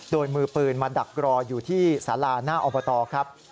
โดยมือปืนมาดักรออยู่ที่สาราหน้าอบตครับ